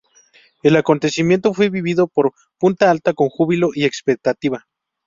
El acontecimiento fue vivido por Punta Alta con júbilo y expectativa.